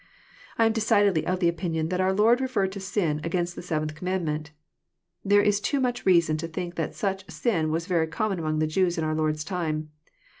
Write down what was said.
I am decidedly of opinion that our Lord referred to sin against the seventh commandment. There is too much reason to think that such sin was very common among the Jews in our Lord's time.